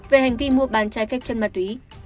về hành vi mua bán chai phép chân mặt túy